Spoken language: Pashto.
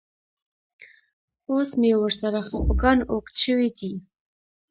اوس مې ورسره خپګان اوږد شوی دی.